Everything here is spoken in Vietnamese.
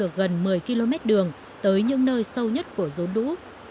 được gần một mươi km đường tới những nơi sâu nhất của dốn đũ